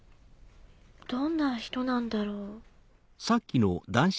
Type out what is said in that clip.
どんな人なんだろう。